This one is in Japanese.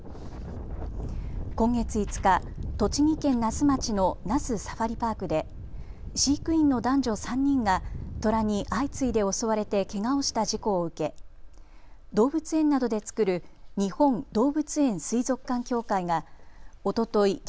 今月５日、栃木県那須町の那須サファリパークで飼育員の男女３人がトラに相次いで襲われてけがをした事故を受け動物園などで作る日本動物園水族館協会がおととい